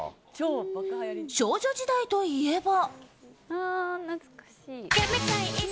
少女時代といえば。